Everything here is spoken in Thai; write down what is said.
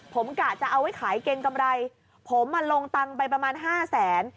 ผมกะจะเอาไว้ขายเกรงกำไรผมอ่ะลงตังค์ไปประมาณห้าแสน